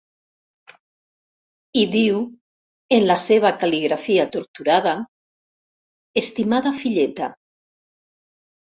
Hi diu, en la seva cal·ligrafia torturada: «Estimada filleta.